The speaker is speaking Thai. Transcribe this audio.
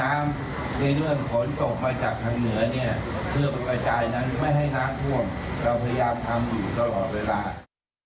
เราพยายามทำอยู่ตลอดเวลา